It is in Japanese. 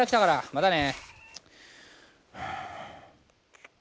またね。